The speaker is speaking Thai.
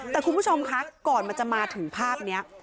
แต่คุณผู้ชมคะก่อนมันจะมาถึงภาพนี้